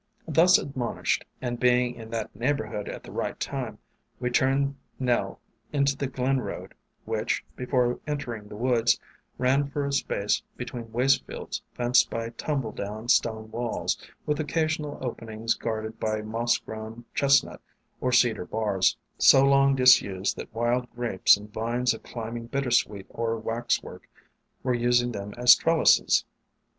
Thus admonished, and being in that neighbor hood at the right time, we turned Nell into the Glen Road, which, before entering the woods, ran for a space between waste fields fenced by tumble down stone walls, with occasional openings guarded by moss grown chestnut or cedar bars, so long disused that Wild Grapes and vines of climbing Bittersweet or Waxwork were using them as trellises.